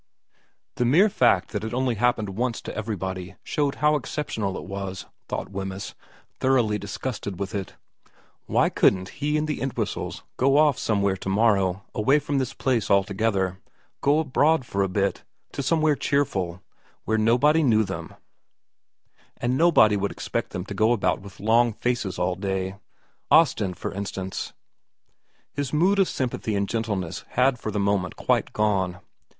The mere fact that it only happened once to everybody showed how exceptional it was, thought Wemyss, thoroughly dis gusted with it. Why couldn't he and the Entwhistles go off somewhere to morrow, away from this place altogether, go abroad for a bit, to somewhere cheerful, where nobody knew them and nobody would expect them to go about with long faces all day ? Ostend, for instance ? His mood of sympathy and gentleness had for the moment quite gone.